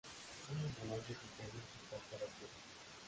Una ambulancia sin frenos impacta la tienda.